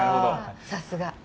さすが。